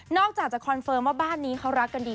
อกจากจะคอนเฟิร์มว่าบ้านนี้เขารักกันดี